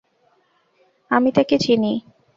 আমি তাকে চিনি?